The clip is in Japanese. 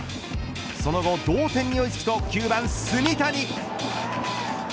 その後同点に追い付くと９番炭谷。